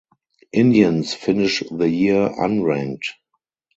Indians finish the year unranked.